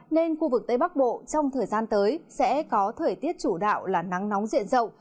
nên khu vực tây bắc bộ trong thời gian tới sẽ có thời tiết chủ đạo là nắng nóng diện rộng